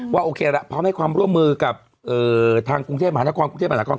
โอเคละพร้อมให้ความร่วมมือกับทางกรุงเทพมหานครกรุงเทพมหานคร